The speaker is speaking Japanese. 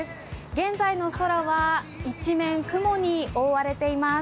現在の空は、一面雲に覆われています。